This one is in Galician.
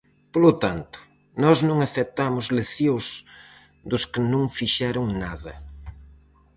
Polo tanto, nós non aceptamos leccións dos que non fixeron nada.